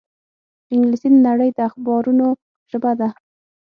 انګلیسي د نړۍ د اخبارونو ژبه ده